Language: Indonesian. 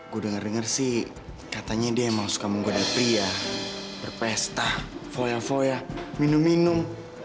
gue denger denger sih katanya dia emang suka menggoda pria berpesta foya foya minum minum